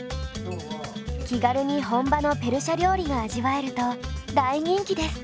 気軽に本場のペルシャ料理が味わえると大人気です。